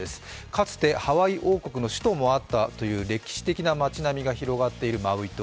かつてハワイ王国の首都もあったという歴史的な町並みが広がっているマウイ島。